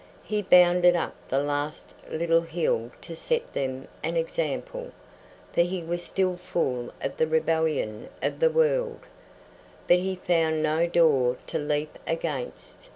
He bounded up the last little hill to set them an example, for he was still full of the rebellion of the world; but he found no door to leap against.